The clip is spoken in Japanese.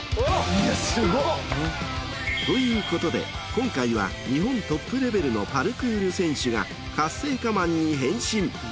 いやすごっ。ということで今回は日本トップレベルのパルクール選手がカッセイカマンに変身。